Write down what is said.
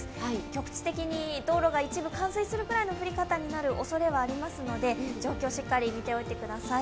局地的に道路が一部冠水するくらいの降り方になるおそれはありますので、状況しっかり見ておいてください。